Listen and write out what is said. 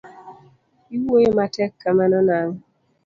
iwuoyo matek kamano nang'o?